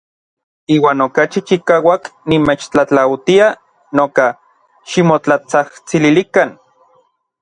Iuan okachi chikauak nimechtlatlautia noka ximotlatsajtsililikan.